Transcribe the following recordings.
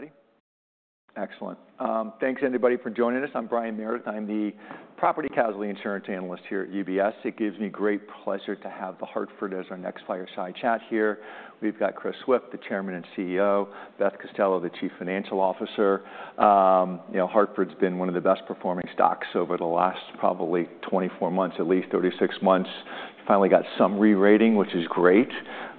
We're ready? Excellent. Thanks, anybody, for joining us. I'm Brian Meredith. I'm the Property Casualty Insurance Analyst here at UBS. It gives me great pleasure to have The Hartford as our next fireside chat here. We've got Chris Swift, the Chairman and CEO, Beth Costello, the Chief Financial Officer. You know, The Hartford's been one of the best-performing stocks over the last probably 24 months, at least 36 months. Finally got some rerating, which is great.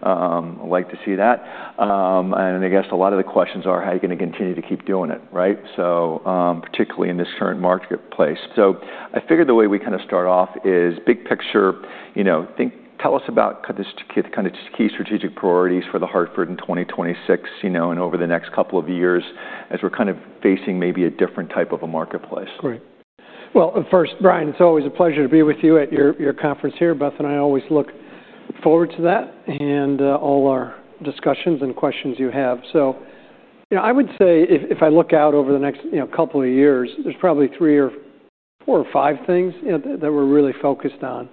I like to see that. I guess a lot of the questions are, how are you gonna continue to keep doing it, right? Particularly in this current marketplace. So, I figured the way we kinda start off is, big picture, you know, think tell us about kind of the kind of key strategic priorities for The Hartford in 2026, you know, and over the next couple of years as we're kind of facing maybe a different type of a marketplace. Great. Well, first, Brian, it's always a pleasure to be with you at your conference here. Beth and I always look forward to that and all our discussions and questions you have. So, you know, I would say if I look out over the next, you know, couple of years, there's probably three or four or five things, you know, that we're really focused on.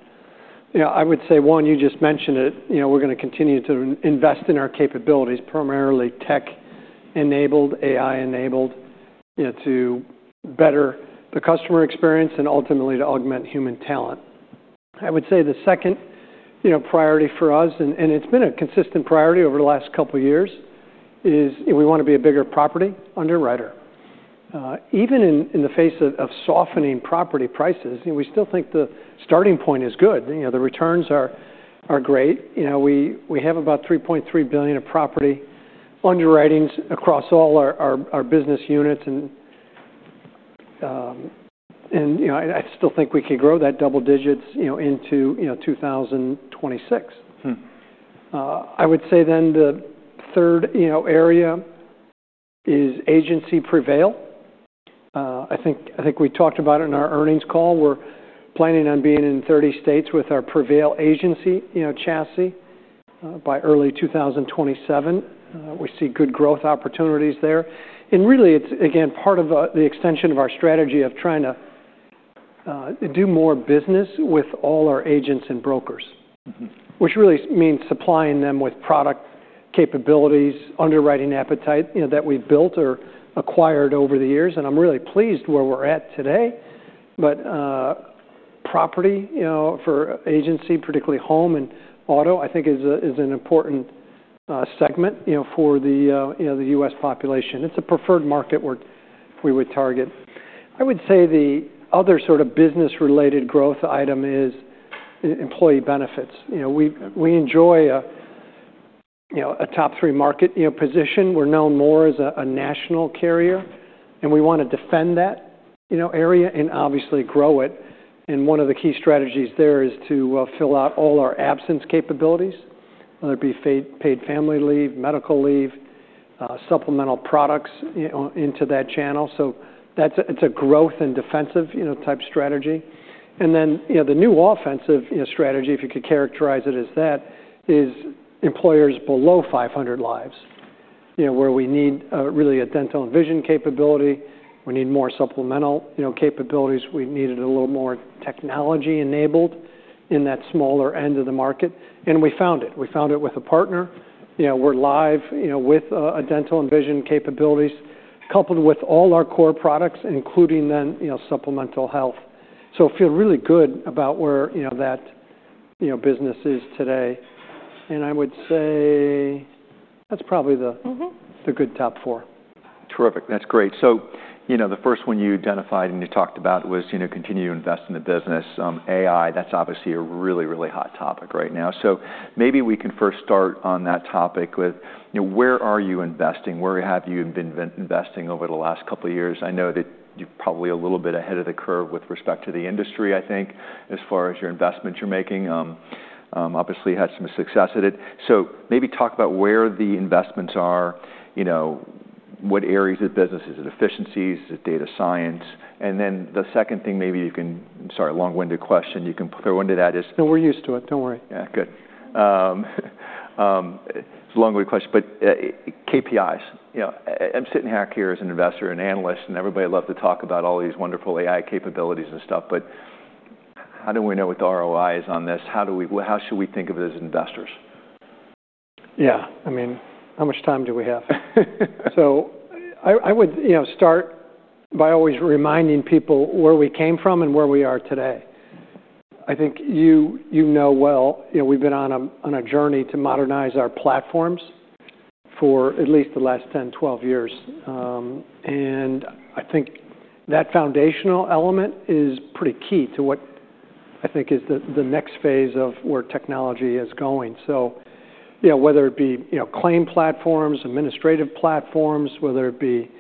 You know, I would say one, you just mentioned it, you know, we're gonna continue to invest in our capabilities, primarily tech-enabled, AI-enabled, you know, to better the customer experience and ultimately to augment human talent. I would say the second, you know, priority for us, and it's been a consistent priority over the last couple of years, is, you know, we wanna be a bigger property underwriter. Even in the face of softening property prices, you know, we still think the starting point is good. You know, the returns are great. You know, we have about $3.3 billion of property underwritings across all our business units. And you know, I still think we could grow that double digits, you know, into 2026. I would say then the third area is agency Prevail. I think we talked about it in our earnings call. We're planning on being in 30 states with our Prevail agency chassis, you know, by early 2027. We see good growth opportunities there. And really, it's again part of the extension of our strategy of trying to do more business with all our agents and brokers. Mm-hmm. Which really means supplying them with product capabilities, underwriting appetite, you know, that we've built or acquired over the years. And I'm really pleased where we're at today. But, property, you know, for agency, particularly home and auto, I think is an important segment, you know, for the, you know, the U.S. population. It's a preferred market we would target. I would say the other sort of business-related growth item is employee benefits. You know, we enjoy a top three market position. We're known more as a national carrier. And we wanna defend that, you know, area and obviously grow it. And one of the key strategies there is to fill out all our absence capabilities, whether it be paid family leave, medical leave, supplemental products, you know, into that channel. So that's, it's a growth and defensive, you know, type strategy. And then, you know, the new offensive, you know, strategy, if you could characterize it as that, is employers below 500 lives, you know, where we need, really a dental and vision capability. We need more supplemental, you know, capabilities. We needed a little more technology-enabled in that smaller end of the market. And we found it. We found it with a partner. You know, we're live, you know, with a dental and vision capabilities coupled with all our core products, including then, you know, supplemental health. So I feel really good about where, you know, that, you know, business is today. And I would say that's probably the. Mm-hmm. The good top four. Terrific. That's great. So, you know, the first one you identified and you talked about was, you know, continue to invest in the business. AI, that's obviously a really, really hot topic right now. So maybe we can first start on that topic with, you know, where are you investing? Where have you been investing over the last couple of years? I know that you're probably a little bit ahead of the curve with respect to the industry, I think, as far as your investments you're making. Obviously had some success at it. So maybe talk about where the investments are, you know, what areas of business? Is it efficiencies? Is it data science? And then the second thing maybe you can sorry, long-winded question. You can throw into that is. No, we're used to it. Don't worry. Yeah. Good. It's a long-winded question. But, KPIs, you know, I'm sitting here as an investor and analyst, and everybody loves to talk about all these wonderful AI capabilities and stuff. But how do we know what the ROI is on this? How do we, how should we think of it as investors? Yeah. I mean, how much time do we have? So I would, you know, start by always reminding people where we came from and where we are today. I think you know well, you know, we've been on a journey to modernize our platforms for at least the last 10, 12 years. I think that foundational element is pretty key to what I think is the next phase of where technology is going. So, you know, whether it be, you know, claim platforms, administrative platforms, whether it be,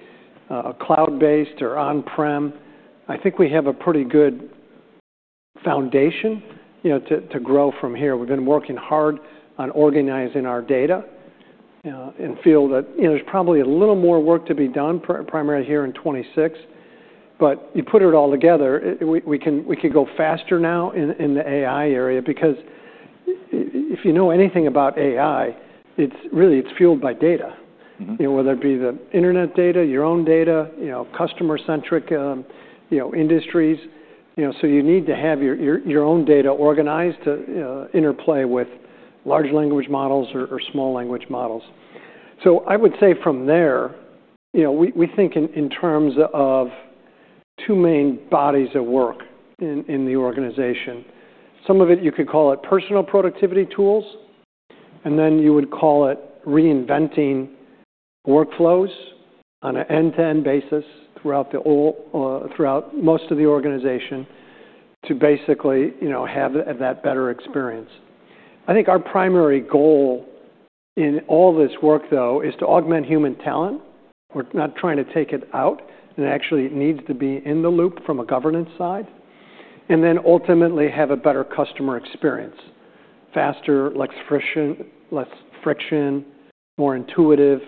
cloud-based or on-prem, I think we have a pretty good foundation, you know, to grow from here. We've been working hard on organizing our data, you know, and feel that, you know, there's probably a little more work to be done primarily here in 2026. But you put it all together, we could go faster now in the AI area because if you know anything about AI, it's really fueled by data. Mm-hmm. You know, whether it be the internet data, your own data, you know, customer-centric, you know, industries. You know, so you need to have your own data organized to, you know, interplay with large language models or small language models. So I would say from there, you know, we think in terms of two main bodies of work in the organization. Some of it, you could call it personal productivity tools. And then you would call it reinventing workflows on an end-to-end basis throughout most of the organization to basically, you know, have that better experience. I think our primary goal in all this work, though, is to augment human talent. We're not trying to take it out. And actually, it needs to be in the loop from a governance side. And then ultimately have a better customer experience, faster, less friction, less friction, more intuitive.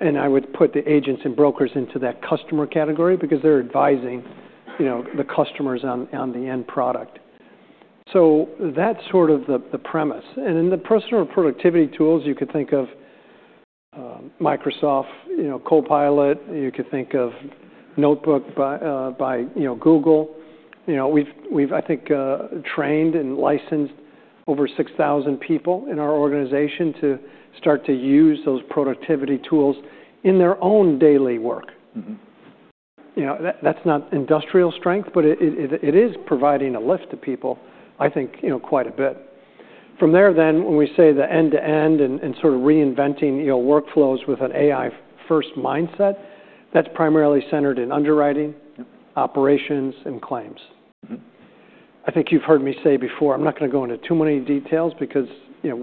And I would put the agents and brokers into that customer category because they're advising, you know, the customers on, on the end product. So that's sort of the, the premise. And then the personal productivity tools, you could think of Microsoft, you know, Copilot. You could think of Notebook by, by, you know, Google. You know, we've, we've, I think, trained and licensed over 6,000 people in our organization to start to use those productivity tools in their own daily work. Mm-hmm. You know, that, that's not industrial strength, but it is providing a lift to people, I think, you know, quite a bit. From there then, when we say the end-to-end and sort of reinventing, you know, workflows with an AI-first mindset, that's primarily centered in underwriting, operations, and claims. Mm-hmm. I think you've heard me say before, I'm not gonna go into too many details because, you know,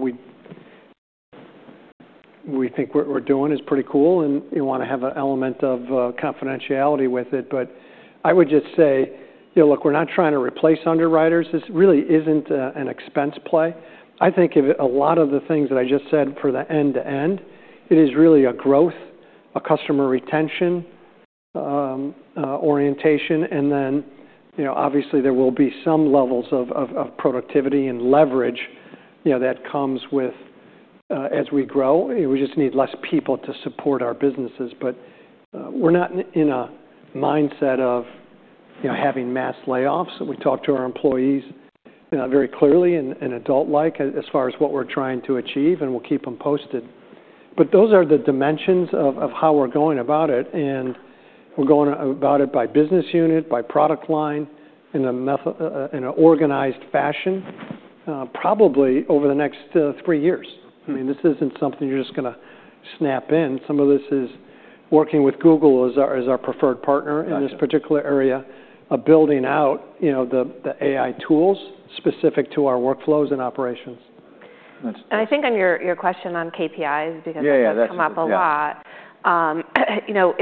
we think what we're doing is pretty cool. And you wanna have an element of confidentiality with it. But I would just say, you know, look, we're not trying to replace underwriters. This really isn't an expense play. I think a lot of the things that I just said for the end-to-end, it is really a growth, a customer retention, orientation. And then, you know, obviously, there will be some levels of productivity and leverage, you know, that comes with as we grow. You know, we just need less people to support our businesses. But we're not in a mindset of, you know, having mass layoffs. We talk to our employees, you know, very clearly and adult-like as far as what we're trying to achieve. We'll keep them posted. But those are the dimensions of how we're going about it. We're going about it by business unit, by product line, in a method, in an organized fashion, probably over the next three years. I mean, this isn't something you're just gonna snap in. Some of this is working with Google as our preferred partner in this particular area, building out, you know, the AI tools specific to our workflows and operations. That's. I think on your question on KPIs because that's come up a lot. Yeah. Yeah. You know,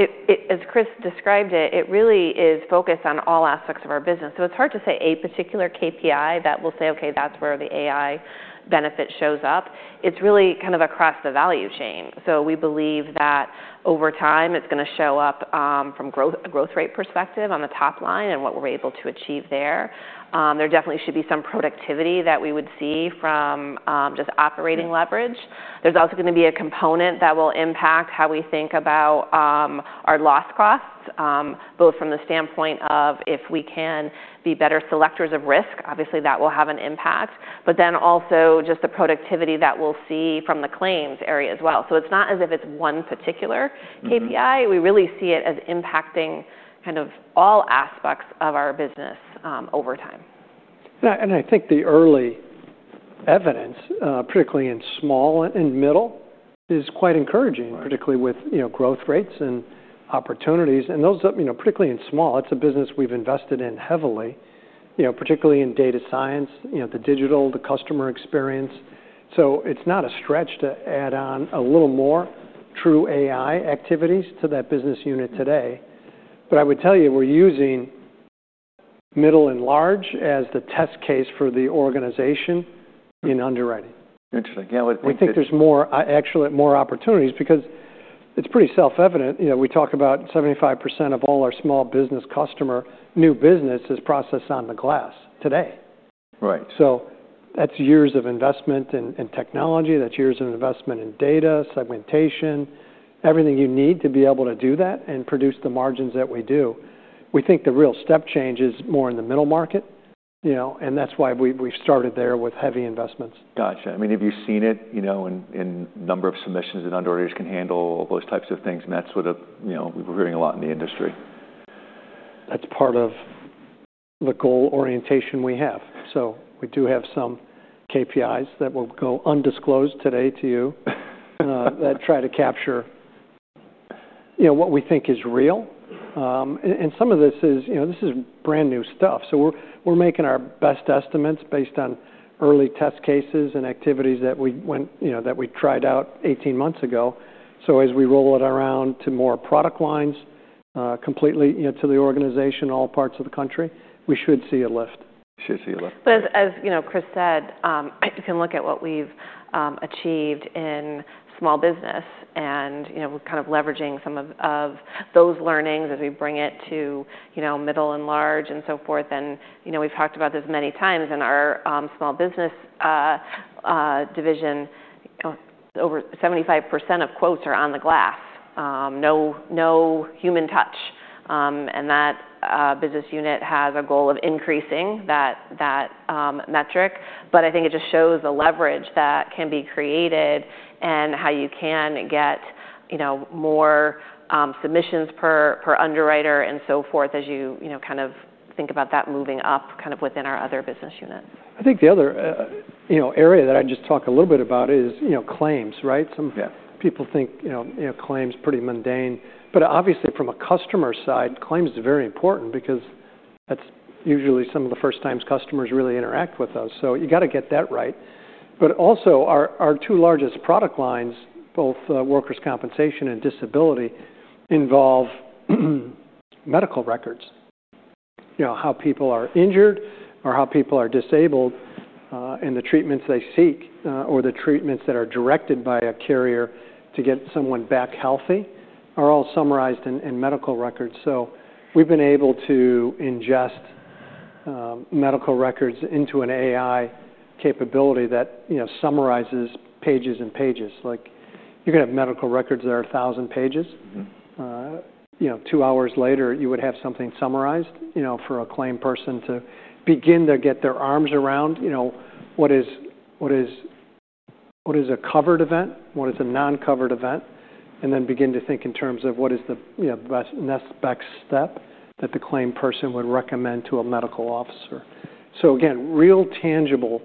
as Chris described it, it really is focused on all aspects of our business. So it's hard to say a particular KPI that will say, "Okay, that's where the AI benefit shows up." It's really kind of across the value chain. So we believe that over time, it's gonna show up, from growth rate perspective on the top line and what we're able to achieve there. There definitely should be some productivity that we would see from, just operating leverage. There's also gonna be a component that will impact how we think about our loss costs, both from the standpoint of if we can be better selectors of risk, obviously, that will have an impact. But then also just the productivity that we'll see from the claims area as well. So it's not as if it's one particular KPI. We really see it as impacting kind of all aspects of our business, over time. I think the early evidence, particularly in small and middle, is quite encouraging. Mm-hmm. Particularly with, you know, growth rates and opportunities. And those are, you know, particularly in small, it's a business we've invested in heavily, you know, particularly in data science, you know, the digital, the customer experience. So it's not a stretch to add on a little more true AI activities to that business unit today. But I would tell you, we're using middle and large as the test case for the organization in underwriting. Interesting. Yeah. What do you think? We think there's more, actually more opportunities because it's pretty self-evident. You know, we talk about 75% of all our small business customer, new business is processed on the glass today. Right. So that's years of investment in technology. That's years of investment in data, segmentation, everything you need to be able to do that and produce the margins that we do. We think the real step change is more in the middle market, you know? And that's why we've started there with heavy investments. Gotcha. I mean, have you seen it, you know, in number of submissions that underwriters can handle all those types of things? That's what, you know, we're hearing a lot in the industry. That's part of the goal orientation we have. So we do have some KPIs that will go undisclosed today to you, that try to capture, you know, what we think is real. And, and some of this is, you know, this is brand new stuff. So we're, we're making our best estimates based on early test cases and activities that we went, you know, that we tried out 18 months ago. So as we roll it around to more product lines, completely, you know, to the organization, all parts of the country, we should see a lift. We should see a lift. But as you know, Chris said, you can look at what we've achieved in small business. And you know, we're kind of leveraging some of those learnings as we bring it to you know, middle and large and so forth. And you know, we've talked about this many times. In our small business division, you know, over 75% of quotes are on the glass, no human touch. And that business unit has a goal of increasing that metric. But I think it just shows the leverage that can be created and how you can get you know, more submissions per underwriter and so forth as you know, kind of think about that moving up kind of within our other business units. I think the other, you know, area that I'd just talk a little bit about is, you know, claims, right? Some. Yeah. People think, you know, you know, claims pretty mundane. But obviously, from a customer side, claims are very important because that's usually some of the first times customers really interact with us. So you gotta get that right. But also, our two largest product lines, both workers' compensation and disability, involve medical records. You know, how people are injured or how people are disabled, and the treatments they seek, or the treatments that are directed by a carrier to get someone back healthy are all summarized in medical records. So we've been able to ingest medical records into an AI capability that, you know, summarizes pages and pages. Like, you can have medical records that are thousand pages. Mm-hmm. You know, two hours later, you would have something summarized, you know, for a claim person to begin to get their arms around, you know, what is a covered event, what is a non-covered event, and then begin to think in terms of what is the, you know, best, next best step that the claim person would recommend to a medical officer. So again, real tangible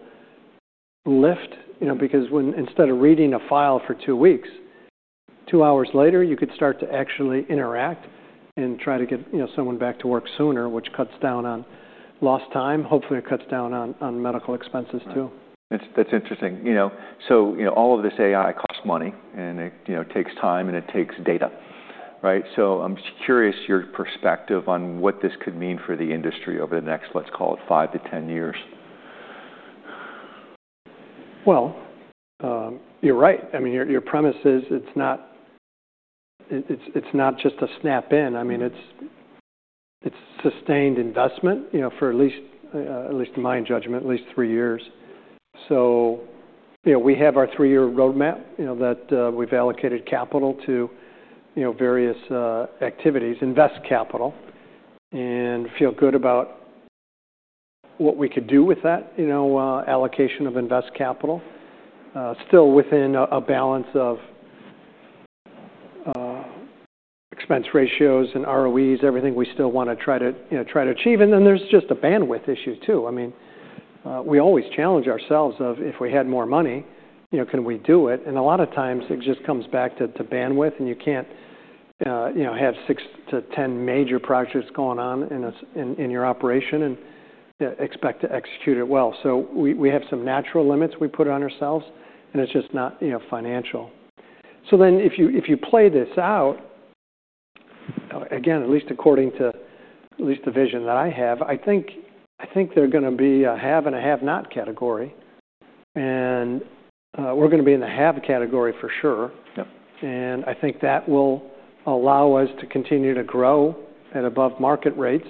lift, you know, because when instead of reading a file for two weeks, two hours later, you could start to actually interact and try to get, you know, someone back to work sooner, which cuts down on lost time. Hopefully, it cuts down on, on medical expenses too. That's, that's interesting. You know, so, you know, all of this AI costs money. And it, you know, takes time. And it takes data, right? So I'm curious your perspective on what this could mean for the industry over the next, let's call it, five-10 years. Well, you're right. I mean, your premise is it's not just a snap-in. I mean, it's sustained investment, you know, for at least, in my judgment, three years. So, you know, we have our three-year roadmap, you know, that we've allocated capital to, you know, various activities, invest capital, and feel good about what we could do with that, you know, allocation of invest capital, still within a balance of expense ratios and ROEs, everything we still wanna try to, you know, try to achieve. And then there's just a bandwidth issue too. I mean, we always challenge ourselves if we had more money, you know, can we do it? And a lot of times, it just comes back to bandwidth. And you can't, you know, have six-10 major projects going on in your operation and, you know, expect to execute it well. So we have some natural limits we put on ourselves. And it's just not, you know, financial. So then if you play this out, again, at least according to at least the vision that I have, I think there are gonna be a have and a have-not category. And, we're gonna be in the have category for sure. Yep. I think that will allow us to continue to grow at above market rates,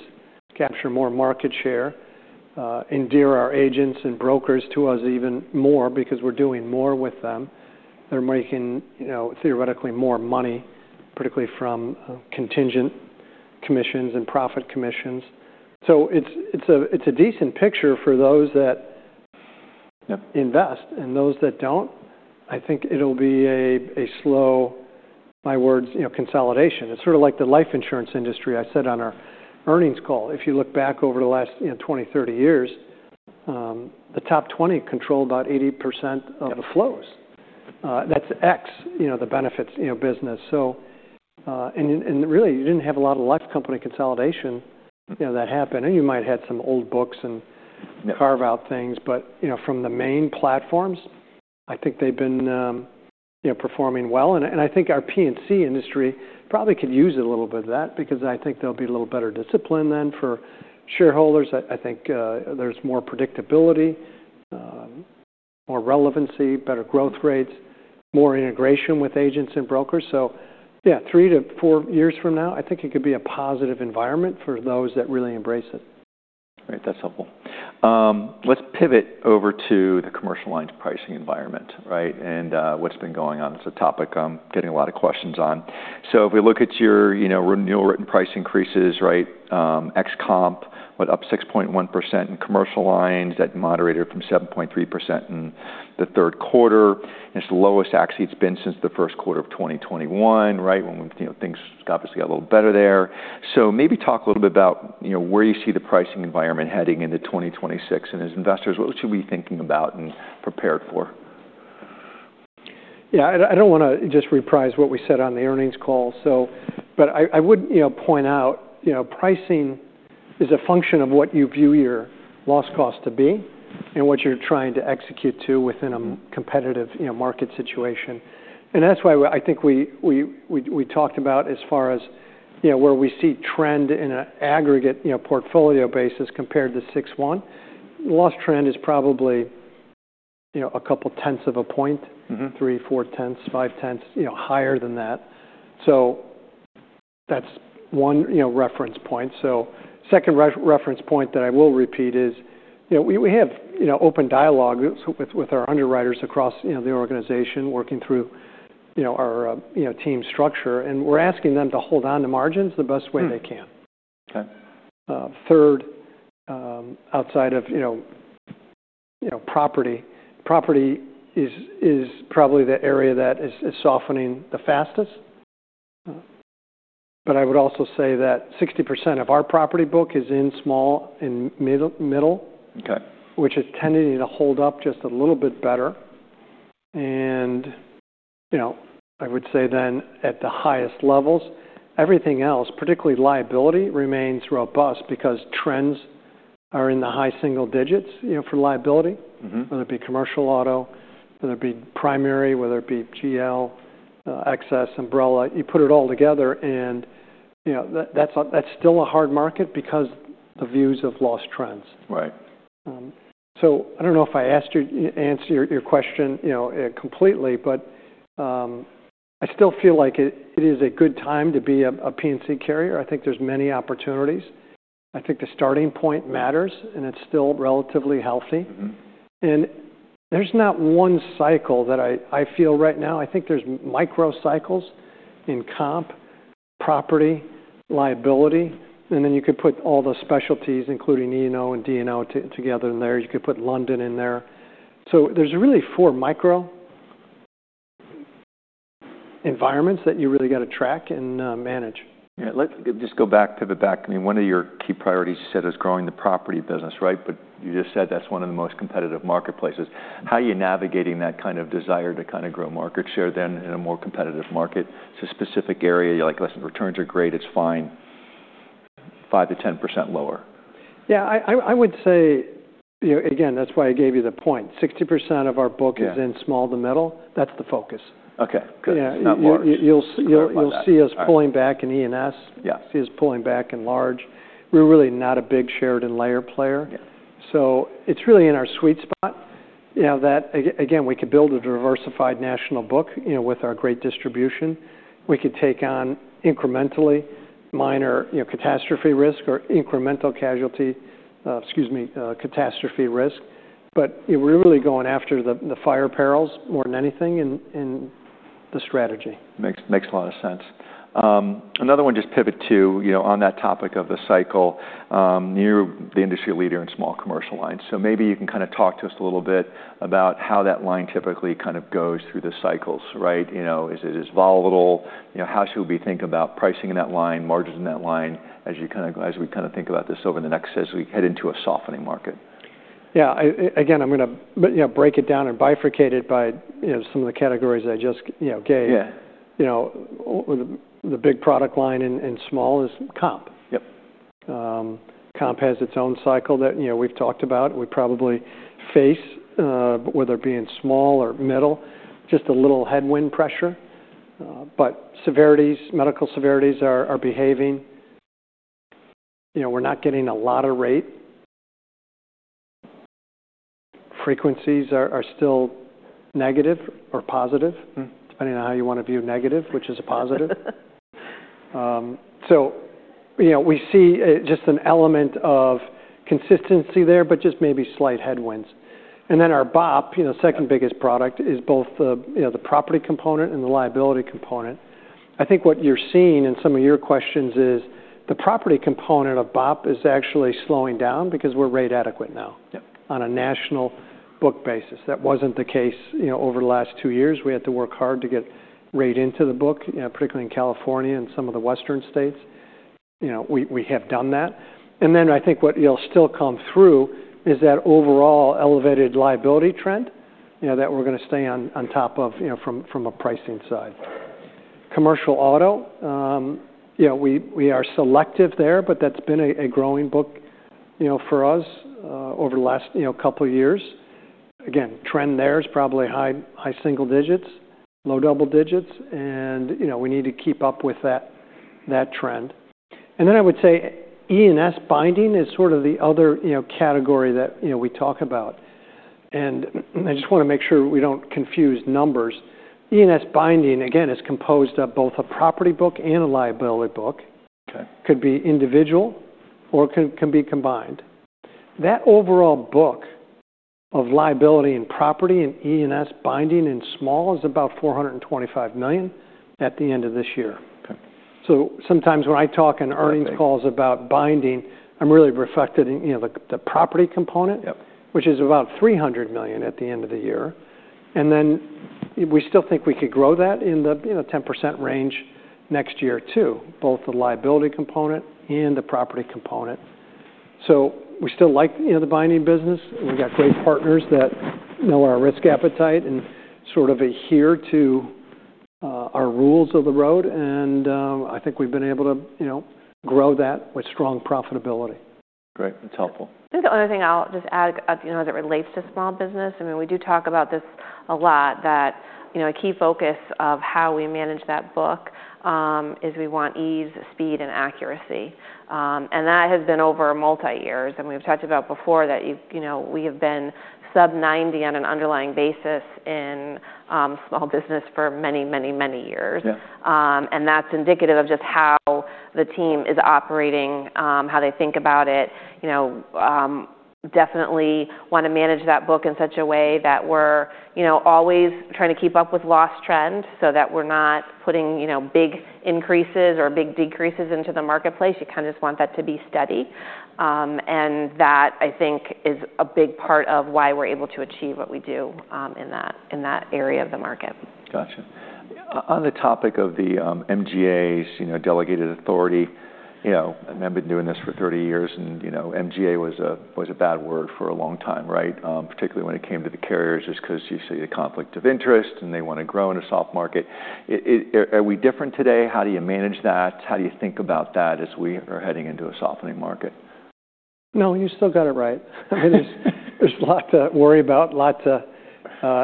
capture more market share, endear our agents and brokers to us even more because we're doing more with them. They're making, you know, theoretically, more money, particularly from contingent commissions and profit commissions. So it's a decent picture for those that. Yep. Invest. And those that don't, I think it'll be a slow, my words, you know, consolidation. It's sort of like the life insurance industry I said on our earnings call. If you look back over the last, you know, 20, 30 years, the top 20 control about 80% of the flows. Yep. That's X, you know, the benefits, you know, business. So, and, and really, you didn't have a lot of life company consolidation, you know, that happened. And you might have had some old books and carve out things. But, you know, from the main platforms, I think they've been, you know, performing well. And, and I think our P&C industry probably could use a little bit of that because I think there'll be a little better discipline then for shareholders. I, I think, there's more predictability, more relevancy, better growth rates, more integration with agents and brokers. So yeah, three-four years from now, I think it could be a positive environment for those that really embrace it. Great. That's helpful. Let's pivot over to the commercial lines pricing environment, right? And what's been going on? It's a topic I'm getting a lot of questions on. So if we look at your, you know, renewal written price increases, right, ex-comp, what, up 6.1% in Commercial Lines. That moderated from 7.3% in the third quarter. And it's the lowest actually it's been since the first quarter of 2021, right, when we've, you know, things obviously got a little better there. So maybe talk a little bit about, you know, where you see the pricing environment heading into 2026. And as investors, what should we be thinking about and prepared for? Yeah. I don't wanna just reprise what we said on the earnings call. So but I would, you know, point out, you know, pricing is a function of what you view your loss cost to be and what you're trying to execute to within a competitive, you know, market situation. And that's why we, I think we talked about as far as, you know, where we see trend in an aggregate, you know, portfolio basis compared to 6/1. Loss trend is probably, you know, a couple tenths of a point. Mm-hmm. 3.4, 0.5, you know, higher than that. So that's one, you know, reference point. So the second reference point that I will repeat is, you know, we have, you know, open dialogue with our underwriters across, you know, the organization working through, you know, our team structure. And we're asking them to hold on to margins the best way they can. Okay. Third, outside of, you know, property is probably the area that is softening the fastest. But I would also say that 60% of our property book is in small and middle. Okay. Which is tending to hold up just a little bit better. You know, I would say then at the highest levels, everything else, particularly liability, remains robust because trends are in the high single digits, you know, for liability. Mm-hmm. Whether it be commercial auto, whether it be primary, whether it be GL, Excess, umbrella, you put it all together. And, you know, that's still a hard market because the views of loss trends. Right. So, I don't know if I answered your question, you know, completely. But I still feel like it is a good time to be a P&C carrier. I think there's many opportunities. I think the starting point matters. And it's still relatively healthy. Mm-hmm. There's not one cycle that I feel right now. I think there's micro cycles in comp, property, liability. Then you could put all the specialties, including E&O and D&O, together in there. You could put London in there. There's really four micro environments that you really gotta track and manage. Yeah. Let's just go back to the back. I mean, one of your key priorities you said is growing the property business, right? But you just said that's one of the most competitive marketplaces. How are you navigating that kind of desire to kind of grow market share then in a more competitive market? It's a specific area. You're like, "Listen, returns are great. It's fine." 5%-10% lower. Yeah. I would say, you know, again, that's why I gave you the point. 60% of our book is in small to middle. That's the focus. Okay. Good. Not large. Yeah. You'll see us pulling back in E&S. Yeah. See us pulling back in large. We're really not a big shared and layered player. Yeah. So it's really in our sweet spot, you know, that again, we could build a diversified national book, you know, with our great distribution. We could take on incrementally minor, you know, catastrophe risk or incremental casualty, excuse me, catastrophe risk. But, you know, we're really going after the fire perils more than anything in the strategy. Makes a lot of sense. Another one, just pivot to, you know, on that topic of the cycle, you're the industry leader in small Commercial Lines. So maybe you can kind of talk to us a little bit about how that line typically kind of goes through the cycles, right? You know, is it as volatile? You know, how should we think about pricing in that line, margins in that line as we kind of think about this over the next as we head into a softening market? Yeah. I, again, I'm gonna, you know, break it down and bifurcate it by, you know, some of the categories I just, you know, gave. Yeah. You know, the big product line in small is comp. Yep. Comp has its own cycle that, you know, we've talked about. We probably face, whether it be in small or middle, just a little headwind pressure. But severities, medical severities are, are behaving. You know, we're not getting a lot of rate. Frequencies are, are still negative or positive. Mm-hmm. Depending on how you wanna view negative, which is a positive. So, you know, we see, just an element of consistency there, but just maybe slight headwinds. And then our BOP, you know, second biggest product, is both the, you know, the property component and the liability component. I think what you're seeing in some of your questions is the property component of BOP is actually slowing down because we're rate adequate now. Yep. On a national book basis. That wasn't the case, you know, over the last two years. We had to work hard to get rate into the book, you know, particularly in California and some of the western states. You know, we, we have done that. And then I think what you'll still come through is that overall elevated liability trend, you know, that we're gonna stay on, on top of, you know, from, from a pricing side. Commercial auto, you know, we, we are selective there. But that's been a, a growing book, you know, for us, over the last, you know, couple of years. Again, trend there is probably high, high single digits, low double digits. And, you know, we need to keep up with that, that trend. And then I would say E&S binding is sort of the other, you know, category that, you know, we talk about. I just wanna make sure we don't confuse numbers. E&S binding, again, is composed of both a property book and a liability book. Okay. Could be individual or can be combined. That overall book of liability and property and E&S binding in small is about $425 million at the end of this year. Okay. Sometimes when I talk in earnings calls about binding, I'm really reflected in, you know, the property component. Yep. Which is about $300 million at the end of the year. And then we still think we could grow that in the, you know, 10% range next year too, both the liability component and the property component. So we still like, you know, the binding business. We've got great partners that know our risk appetite and sort of adhere to, our rules of the road. And, I think we've been able to, you know, grow that with strong profitability. Great. That's helpful. I think the other thing I'll just add, you know, as it relates to small business, I mean, we do talk about this a lot that, you know, a key focus of how we manage that book, is we want ease, speed, and accuracy. And that has been over multi-years. And we've talked about before that you, you know, we have been sub-90 on an underlying basis in small business for many, many, many years. Yeah. That's indicative of just how the team is operating, how they think about it. You know, definitely wanna manage that book in such a way that we're, you know, always trying to keep up with loss trend so that we're not putting, you know, big increases or big decreases into the marketplace. You kinda just want that to be steady. And that, I think, is a big part of why we're able to achieve what we do, in that area of the market. Gotcha. On the topic of the MGAs, you know, delegated authority, you know, I mean, I've been doing this for 30 years. You know, MGA was a bad word for a long time, right, particularly when it came to the carriers just 'cause you see the conflict of interest, and they wanna grow in a soft market. Are we different today? How do you manage that? How do you think about that as we are heading into a softening market? No, you still got it right. I mean, there's a lot to worry about, a lot to,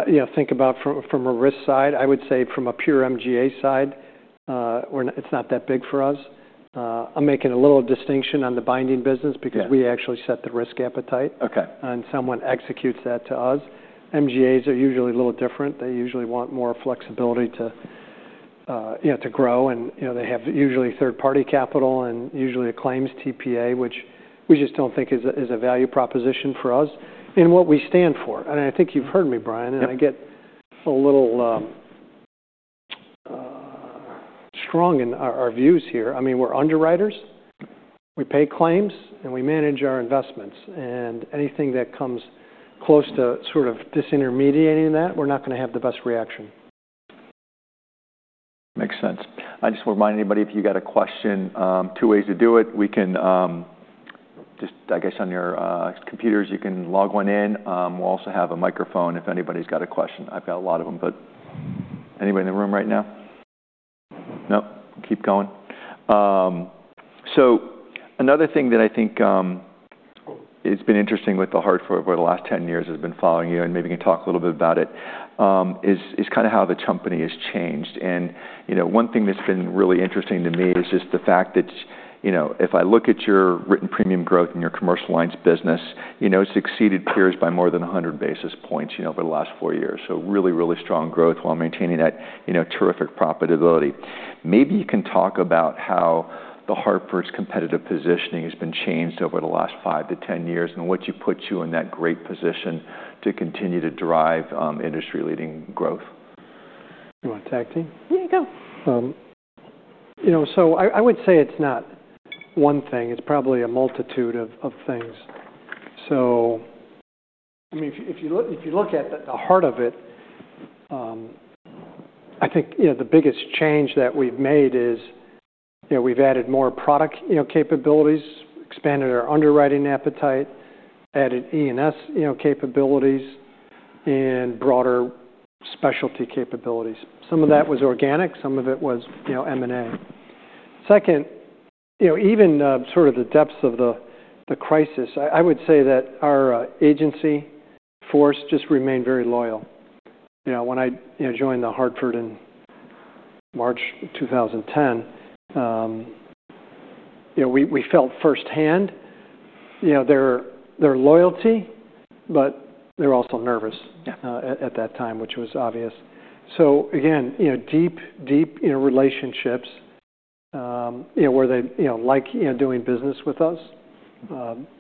you know, think about from a risk side. I would say from a pure MGA side, we're, it's not that big for us. I'm making a little distinction on the binding business because we actually set the risk appetite. Okay. Someone executes that to us. MGAs are usually a little different. They usually want more flexibility to, you know, to grow. You know, they have usually third-party capital and usually a claims TPA, which we just don't think is a is a value proposition for us in what we stand for. I think you've heard me, Brian. Yep. I get a little strong in our views here. I mean, we're underwriters. We pay claims, and we manage our investments. Anything that comes close to sort of disintermediating that, we're not gonna have the best reaction. Makes sense. I just wanna remind anybody, if you got a question, two ways to do it. We can, just I guess on your, computers, you can log one in. We'll also have a microphone if anybody's got a question. I've got a lot of them. But anybody in the room right now? Nope. Keep going. So another thing that I think, it's been interesting with The Hartford over the last 10 years has been following you. And, you know, one thing that's been really interesting to me is just the fact that, you know, if I look at your written premium growth in your Commercial Lines business, you know, it's exceeded peers by more than 100 basis points, you know, over the last four years. So really, really strong growth while maintaining that, you know, terrific profitability. Maybe you can talk about how The Hartford's competitive positioning has been changed over the last five-10 years and what you put you in that great position to continue to drive, industry-leading growth. Do you want to tag team? Yeah, go. You know, so I would say it's not one thing. It's probably a multitude of things. So, I mean, if you look at the heart of it, I think, you know, the biggest change that we've made is, you know, we've added more product, you know, capabilities, expanded our underwriting appetite, added E&S, you know, capabilities, and broader specialty capabilities. Some of that was organic. Some of it was, you know, M&A. Second, you know, even sort of the depths of the crisis, I would say that our agency force just remained very loyal. You know, when I joined The Hartford in March 2010, you know, we felt firsthand, you know, their loyalty, but they're also nervous. Yeah. At that time, which was obvious. So again, you know, deep, deep, you know, relationships, you know, where they, you know, like, you know, doing business with us.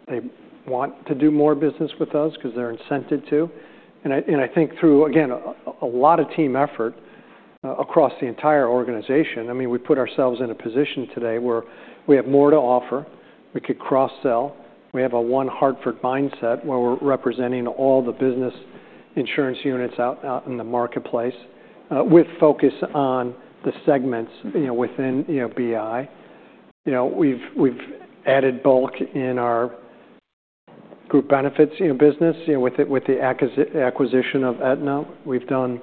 They want to do more business with us 'cause they're incented to. And I think through, again, a lot of team effort, across the entire organization, I mean, we put ourselves in a position today where we have more to offer. We could cross-sell. We have a one Hartford mindset where we're representing all the business insurance units out in the marketplace, with focus on the segments, you know, within, you know, BI. You know, we've added bulk in our group benefits, you know, business, you know, with the acquisition of Aetna. We've done,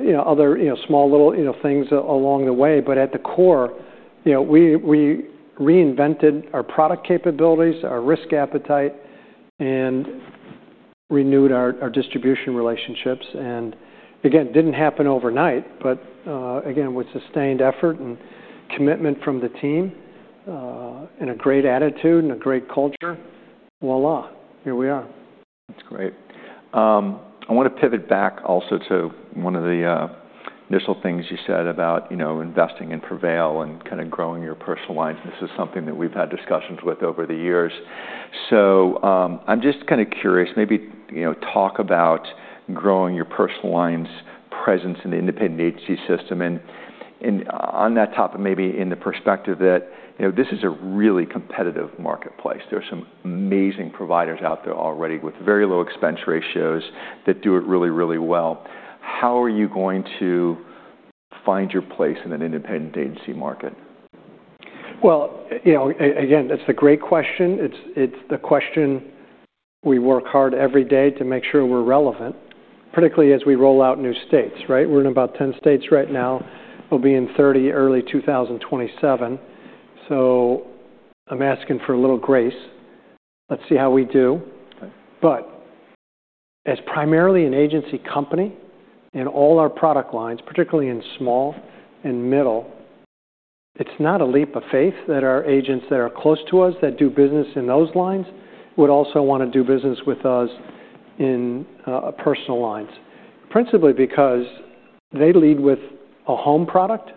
you know, other, you know, small little, you know, things along the way. But at the core, you know, we reinvented our product capabilities, our risk appetite, and renewed our distribution relationships. And again, it didn't happen overnight. But, again, with sustained effort and commitment from the team, and a great attitude and a great culture, voilà, here we are. That's great. I wanna pivot back also to one of the initial things you said about, you know, investing in Prevail and kinda growing your personal lines. And this is something that we've had discussions with over the years. So, I'm just kinda curious, maybe, you know, talk about growing your personal lines presence in the independent agency system. And on that topic, maybe in the perspective that, you know, this is a really competitive marketplace. There are some amazing providers out there already with very low expense ratios that do it really, really well. How are you going to find your place in an independent agency market? Well, you know, again, that's the great question. It's, it's the question we work hard every day to make sure we're relevant, particularly as we roll out new states, right? We're in about 10 states right now. We'll be in 30 early 2027. So I'm asking for a little grace. Let's see how we do. Okay. But as primarily an agency company in all our product lines, particularly in small and middle, it's not a leap of faith that our agents that are close to us that do business in those lines would also wanna do business with us in personal lines, principally because they lead with a home product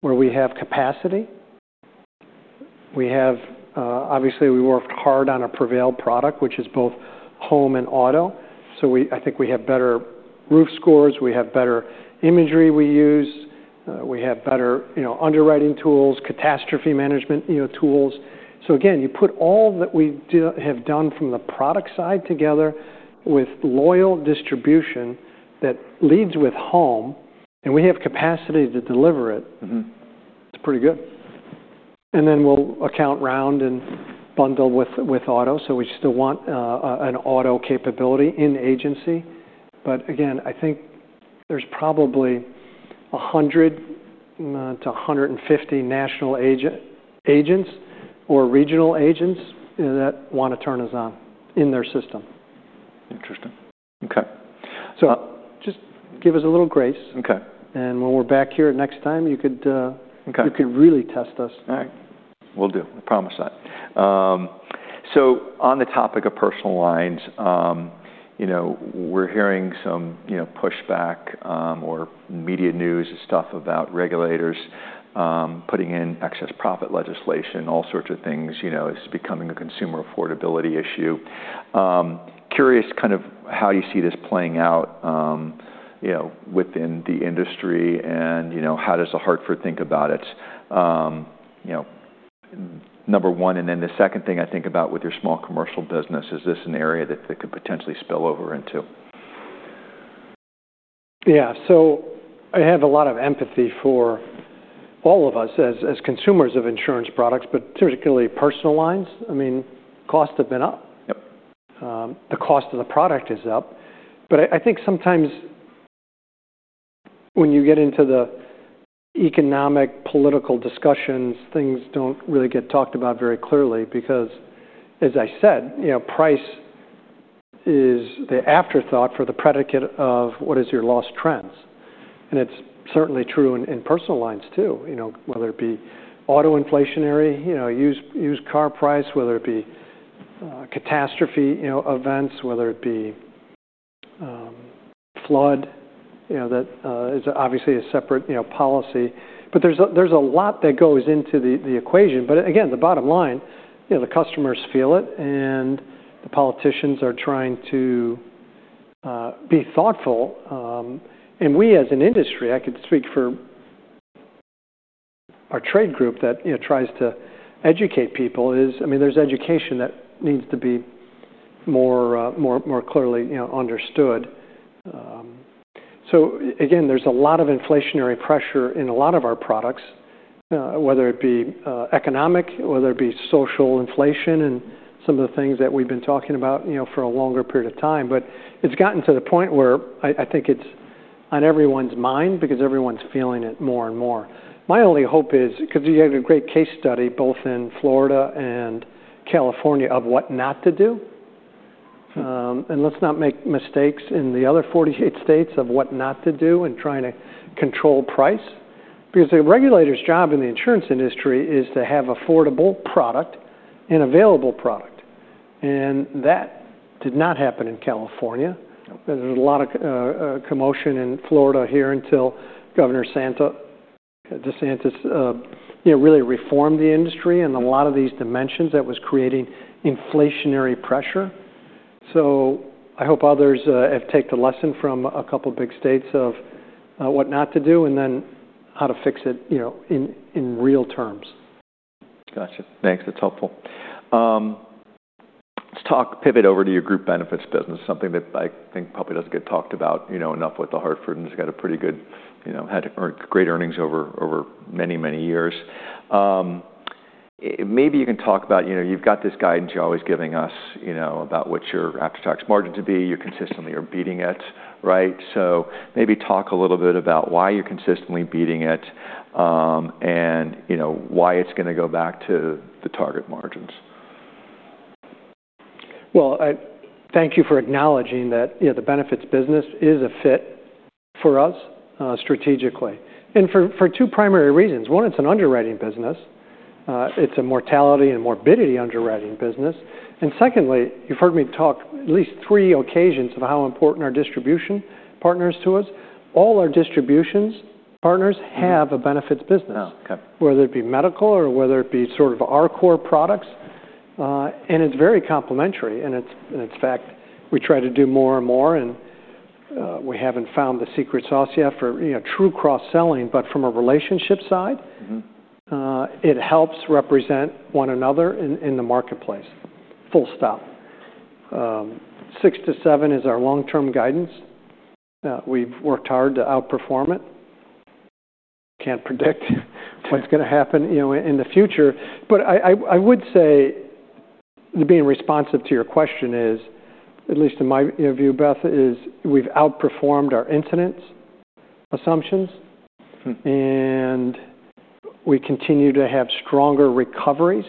where we have capacity. We have, obviously, we worked hard on a Prevail product, which is both home and auto. So we I think we have better roof scores. We have better imagery we use. We have better, you know, underwriting tools, catastrophe management, you know, tools. So again, you put all that we do have done from the product side together with loyal distribution that leads with home, and we have capacity to deliver it. Mm-hmm. It's pretty good. And then we'll account round and bundle with auto. So we still want an auto capability in agency. But again, I think there's probably 100-150 national agents or regional agents, you know, that wanna turn us on in their system. Interesting. Okay. Just give us a little grace. Okay. When we're back here next time, you could, Okay. You could really test us. All right. Will do. I promise that. So on the topic of personal lines, you know, we're hearing some, you know, pushback, or media news and stuff about regulators, putting in excess profit legislation, all sorts of things, you know, as becoming a consumer affordability issue. Curious kind of how you see this playing out, you know, within the industry. And, you know, how does The Hartford think about it? You know, number one. And then the second thing I think about with your small commercial business, is this an area that they could potentially spill over into? Yeah. So I have a lot of empathy for all of us as consumers of insurance products, but particularly personal lines. I mean, costs have been up. Yep. The cost of the product is up. But I think sometimes when you get into the economic political discussions, things don't really get talked about very clearly because, as I said, you know, price is the afterthought for the predicate of what is your loss trends. And it's certainly true in personal lines too, you know, whether it be auto inflationary, you know, used car price, whether it be catastrophe, you know, events, whether it be flood, you know, that is obviously a separate, you know, policy. But there's a lot that goes into the equation. But again, the bottom line, you know, the customers feel it. And the politicians are trying to be thoughtful. We as an industry, I could speak for our trade group that, you know, tries to educate people is, I mean, there's education that needs to be more clearly, you know, understood. So again, there's a lot of inflationary pressure in a lot of our products, whether it be economic, whether it be social inflation and some of the things that we've been talking about, you know, for a longer period of time. But it's gotten to the point where I think it's on everyone's mind because everyone's feeling it more and more. My only hope is 'cause you had a great case study both in Florida and California of what not to do. Let's not make mistakes in the other 48 states of what not to do in trying to control price because the regulator's job in the insurance industry is to have affordable product and available product. That did not happen in California. Yep. There was a lot of commotion in Florida here until Governor DeSantis, you know, really reformed the industry in a lot of these dimensions that was creating inflationary pressure. So I hope others have taken the lesson from a couple of big states of what not to do and then how to fix it, you know, in real terms. Gotcha. Thanks. That's helpful. Let's talk pivot over to your group benefits business, something that I think probably doesn't get talked about, you know, enough with The Hartford. It's got a pretty good, you know, had earned great earnings over, over many, many years. Maybe you can talk about, you know, you've got this guidance you're always giving us, you know, about what your after-tax margin should be. You're consistently beating it, right? Maybe talk a little bit about why you're consistently beating it, and, you know, why it's gonna go back to the target margins. Well, I thank you for acknowledging that, you know, the benefits business is a fit for us, strategically and for two primary reasons. One, it's an underwriting business. It's a mortality and morbidity underwriting business. And secondly, you've heard me talk at least three occasions of how important our distribution partner is to us. All our distribution partners have a benefits business. Oh, okay. Whether it be medical or whether it be sort of our core products. And it's very complementary. And it's and in fact, we try to do more and more. And, we haven't found the secret sauce yet for, you know, true cross-selling, but from a relationship side. Mm-hmm. It helps represent one another in the marketplace. Full stop. Six-seven is our long-term guidance. We've worked hard to outperform it. Can't predict what's gonna happen, you know, in the future. But I would say being responsive to your question is, at least in my view, Beth, we've outperformed our incidents assumptions. And we continue to have stronger recoveries,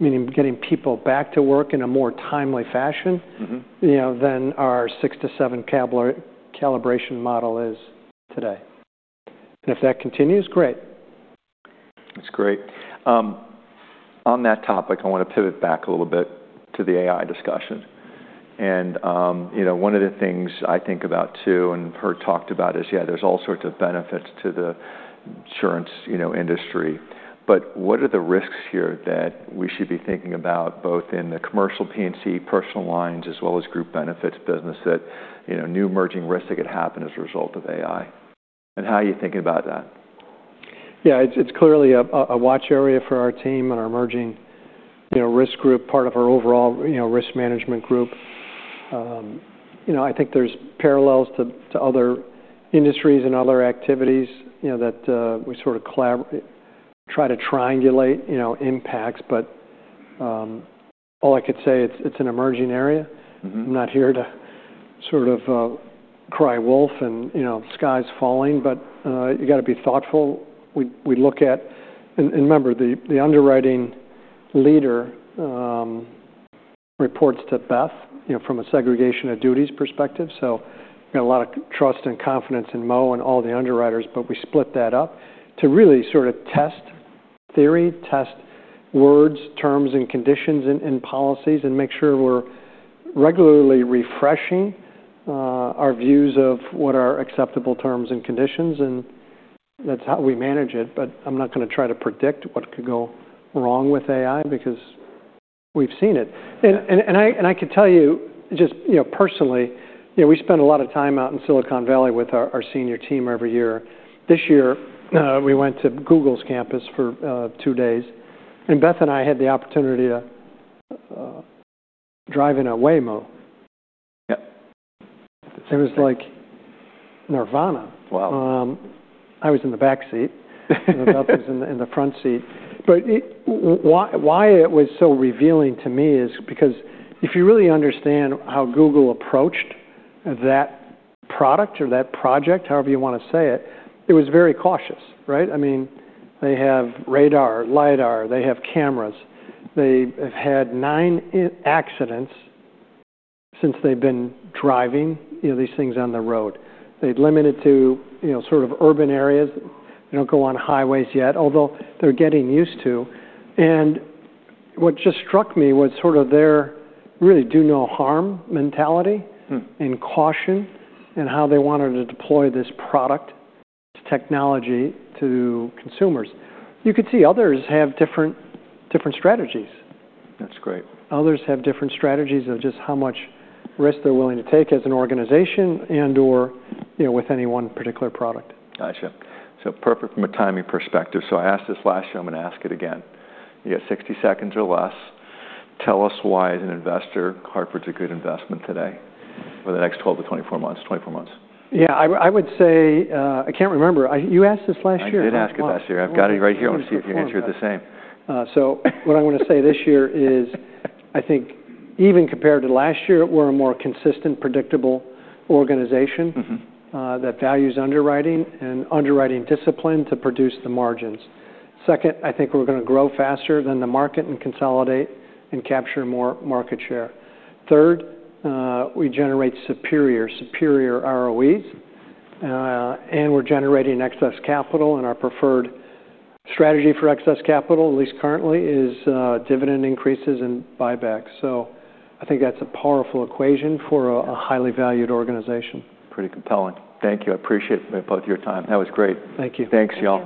meaning getting people back to work in a more timely fashion. Mm-hmm. You know, than our six-seven calibration model is today. If that continues, great. That's great. On that topic, I wanna pivot back a little bit to the AI discussion. And, you know, one of the things I think about too and heard talked about is, yeah, there's all sorts of benefits to the insurance, you know, industry. But what are the risks here that we should be thinking about both in the commercial P&C personal lines as well as group benefits business that, you know, new emerging risks that could happen as a result of AI? And how are you thinking about that? Yeah. It's clearly a watch area for our team and our emerging, you know, risk group, part of our overall, you know, risk management group. You know, I think there's parallels to other industries and other activities, you know, that we sort of collab try to triangulate, you know, impacts. But all I could say, it's an emerging area. Mm-hmm. I'm not here to sort of cry wolf and, you know, sky's falling. But you gotta be thoughtful. We look at and remember, the underwriting leader reports to Beth, you know, from a segregation of duties perspective. So we've got a lot of trust and confidence in Mo and all the underwriters. But we split that up to really sort of test theory, test words, terms, and conditions in policies, and make sure we're regularly refreshing our views of what are acceptable terms and conditions. And that's how we manage it. But I'm not gonna try to predict what could go wrong with AI because we've seen it. And I could tell you just, you know, personally, you know, we spend a lot of time out in Silicon Valley with our senior team every year. This year, we went to Google's campus for two days. Beth and I had the opportunity to drive in a Waymo. Yep. It was like Nirvana. Wow. I was in the backseat. Beth was in the front seat. But why it was so revealing to me is because if you really understand how Google approached that product or that project, however you wanna say it, it was very cautious, right? I mean, they have radar, LiDAR. They have cameras. They have had nine accidents since they've been driving, you know, these things on the road. They'd limit it to, you know, sort of urban areas. They don't go on highways yet, although they're getting used to. And what just struck me was sort of their really do no harm mentality. And caution and how they wanted to deploy this product, this technology to consumers. You could see others have different, different strategies. That's great. Others have different strategies of just how much risk they're willing to take as an organization and/or, you know, with any one particular product. Gotcha. So perfect from a timing perspective. So I asked this last year. I'm gonna ask it again. You got 60 seconds or less. Tell us why, as an investor, Hartford's a good investment today over the next 12-24 months, 24 months. Yeah. I would say I can't remember. You asked this last year. I did ask it last year. I've got it right here. I wanna see if you answered the same. What I wanna say this year is I think even compared to last year, we're a more consistent, predictable organization. Mm-hmm. that values underwriting and underwriting discipline to produce the margins. Second, I think we're gonna grow faster than the market and consolidate and capture more market share. Third, we generate superior, superior ROEs. And we're generating excess capital. And our preferred strategy for excess capital, at least currently, is dividend increases and buybacks. So I think that's a powerful equation for a, a highly valued organization. Pretty compelling. Thank you. I appreciate both your time. That was great. Thank you. Thanks, y'all.